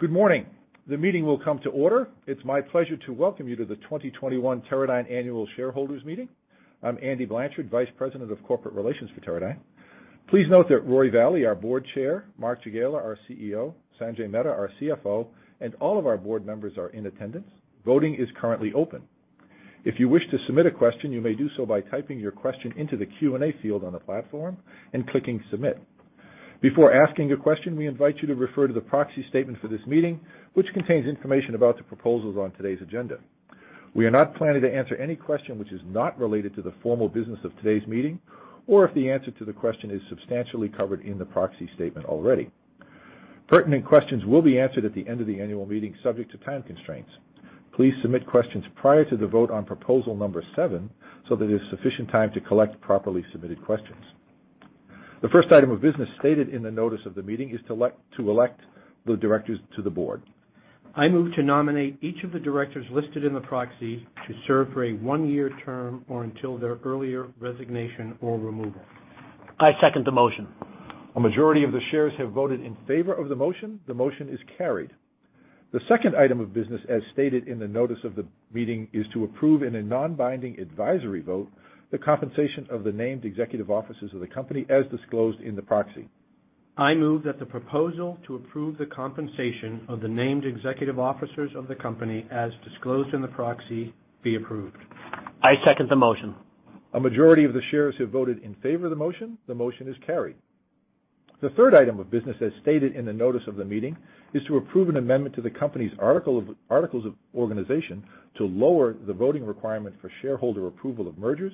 Good morning. The meeting will come to order. It's my pleasure to welcome you to the 2021 Teradyne Annual Shareholders' Meeting. I'm Andy Blanchard, Vice President of Corporate Relations for Teradyne. Please note that Roy Vallee, our Board Chair, Mark Jagiela, our CEO, Sanjay Mehta, our CFO, and all of our board members are in attendance. Voting is currently open. If you wish to submit a question, you may do so by typing your question into the Q&A field on the platform and clicking submit. Before asking a question, we invite you to refer to the proxy statement for this meeting, which contains information about the proposals on today's agenda. We are not planning to answer any question which is not related to the formal business of today's meeting, or if the answer to the question is substantially covered in the proxy statement already. Pertinent questions will be answered at the end of the Annual Meeting, subject to time constraints. Please submit questions prior to the vote on proposal number seven so there is sufficient time to collect properly submitted questions. The first item of business stated in the notice of the meeting is to elect the Directors to the board. I move to nominate each of the Directors listed in the proxy to serve for a one-year term or until their earlier resignation or removal. I second the motion. A majority of the shares have voted in favor of the motion. The motion is carried. The second item of business, as stated in the notice of the meeting, is to approve in a non-binding advisory vote, the compensation of the named Executive Officers of the company as disclosed in the proxy. I move that the proposal to approve the compensation of the named Executive Officers of the company, as disclosed in the proxy, be approved. I second the motion. A majority of the shares have voted in favor of the motion. The motion is carried. The third item of business, as stated in the notice of the meeting, is to approve an amendment to the company's articles of organization to lower the voting requirement for shareholder approval of mergers,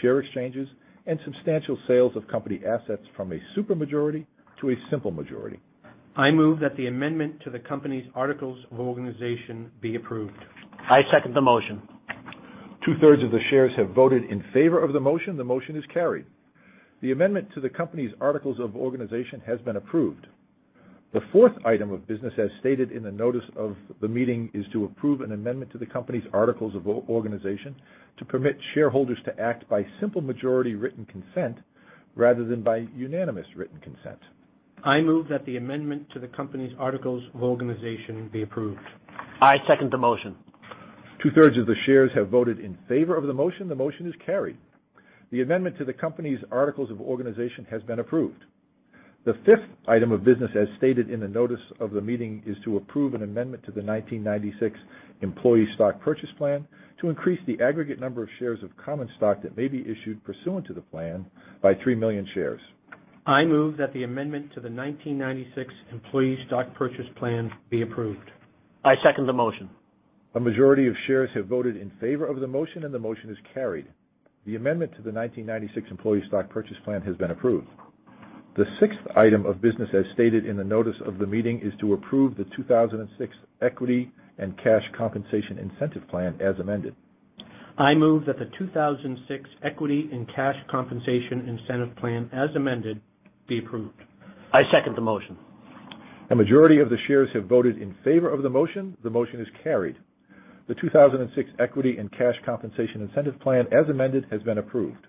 share exchanges, and substantial sales of company assets from a super majority to a simple majority. I move that the amendment to the company's articles of organization be approved. I second the motion. Two-thirds of the shares have voted in favor of the motion. The motion is carried. The amendment to the company's articles of organization has been approved. The fourth item of business, as stated in the notice of the meeting, is to approve an amendment to the company's articles of organization to permit shareholders to act by simple majority written consent rather than by unanimous written consent. I move that the amendment to the company's articles of organization be approved. I second the motion. Two-thirds of the shares have voted in favor of the motion. The motion is carried. The amendment to the company's articles of organization has been approved. The fifth item of business, as stated in the notice of the meeting, is to approve an amendment to the 1996 Employee Stock Purchase Plan to increase the aggregate number of shares of common stock that may be issued pursuant to the plan by 3 million shares. I move that the amendment to the 1996 Employee Stock Purchase Plan be approved. I second the motion. A majority of shares have voted in favor of the motion, and the motion is carried. The amendment to the 1996 Employee Stock Purchase Plan has been approved. The sixth item of business, as stated in the notice of the meeting, is to approve the 2006 Equity and Cash Compensation Incentive Plan as amended. I move that the 2006 Equity and Cash Compensation Incentive Plan, as amended, be approved. I second the motion. A majority of the shares have voted in favor of the motion. The motion is carried. The 2006 Equity and Cash Compensation Incentive Plan, as amended, has been approved.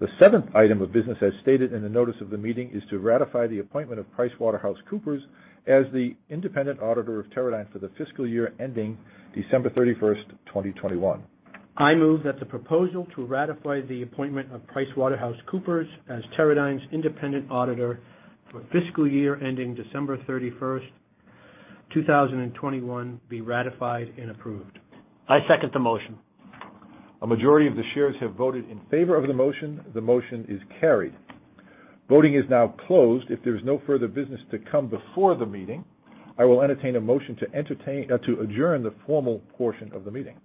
The seventh item of business, as stated in the notice of the meeting, is to ratify the appointment of PricewaterhouseCoopers as the Independent Auditor of Teradyne for the fiscal year ending December 31st, 2021. I move that the proposal to ratify the appointment of PricewaterhouseCoopers as Teradyne's Independent Auditor for the fiscal year ending December 31st, 2021, be ratified and approved. I second the motion. A majority of the shares have voted in favor of the motion. The motion is carried. Voting is now closed. If there's no further business to come before the meeting, I will entertain a motion to adjourn the formal portion of the meeting.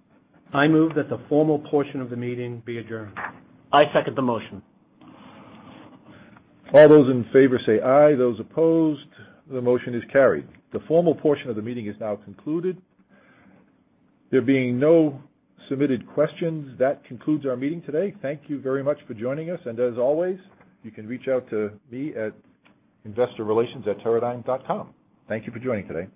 I move that the formal portion of the meeting be adjourned. I second the motion. All those in favor say aye. Those opposed? The motion is carried. The formal portion of the meeting is now concluded. There being no submitted questions, that concludes our meeting today. Thank you very much for joining us, and as always, you can reach out to me at investorrelations@teradyne.com. Thank you for joining today.